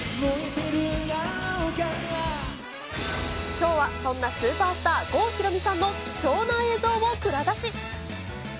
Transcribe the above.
きょうはそんなスーパースター、郷ひろみさんの貴重な映像を蔵出し。